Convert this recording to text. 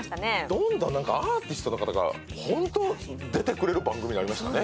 どんどんアーティストの方がホント出てくれる番組になりましたね。